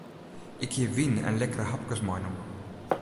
Ik hie wyn en lekkere hapkes meinommen.